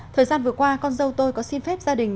thời gian vừa qua con dâu tôi có xin phép gia đình